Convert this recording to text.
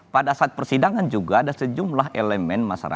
pada saat persidangan juga ada sejumlah elemen masyarakat